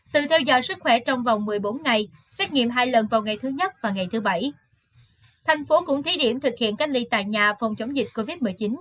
thành phố cũng thí điểm thực hiện cách ly tại nhà phòng chống dịch covid một mươi chín